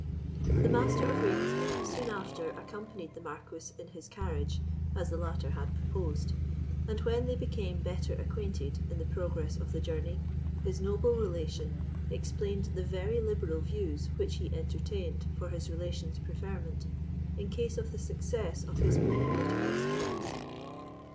The Master of Ravenswood soon after accompanied the Marquis in his carriage, as the latter had proposed; and when they became better acquainted in the progress of the journey, his noble relation explained the very liberal views which he entertained for his relation's preferment, in case of the success of his own political schemes.